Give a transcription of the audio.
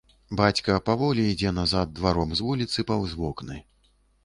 Бацька паволі ідзе назад дваром з вуліцы паўз вокны.